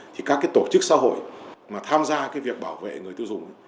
thì các tổ chức xã hội mà tham gia việc bảo vệ người tiêu dùng